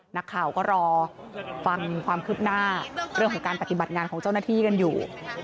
นักข่าวก็รอฟังความคืบหน้าเรื่องของการปฏิบัติงานของเจ้าหน้าที่กันอยู่